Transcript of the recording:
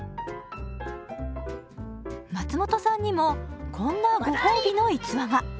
松本さんにもこんなご褒美の逸話が。